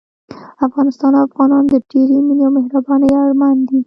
افغانستان او افغانان د ډېرې مينې او مهربانۍ اړمن دي